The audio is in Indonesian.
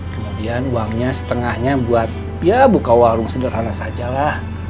kemudian uangnya setengahnya buat ya buka warung sederhana sajalah